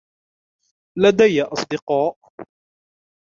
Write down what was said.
لدي أصدقاء.